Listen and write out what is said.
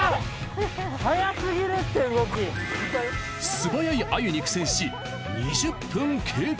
素早いアユに苦戦し２０分経過。